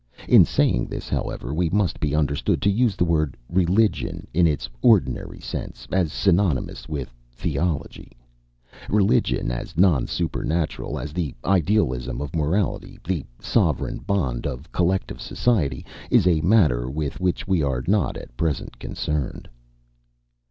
In saying this, however, we must be understood to use the word "religion" in its ordinary sense, as synonymous with theology. Religion as non supernatural, as the idealism of morality, the sovereign bond of collective society, is a matter with which we are not at present concerned.